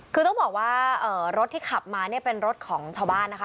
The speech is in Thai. คือต้องบอกว่ารถที่ขับมาเนี่ยเป็นรถของชาวบ้านนะคะ